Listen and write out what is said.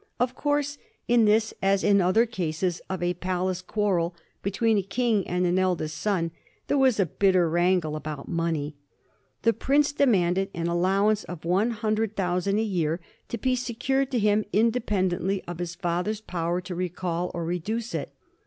Of course, in this as in other cases of a palace quarrel between a king and an eldest son, there was a bit ter wrangle about money. The prince demanded an allow ance of one hundred thousand a year to be secured to him independently of his father's power to recall or reduce it.